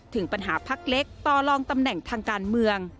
ถึงปัญหาพักเล็กต่อลองตำแหน่งทางการเมือง